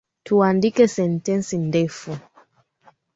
Tuandike sentensi ndefu.